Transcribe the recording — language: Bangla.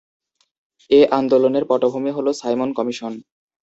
এ আন্দোলনের পটভূমি হলো সাইমন কমিশন।